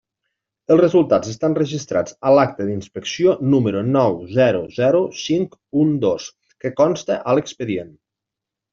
Els resultats estan registrats a l'acta d'inspecció número nou zero zero cinc un dos, que consta a l'expedient.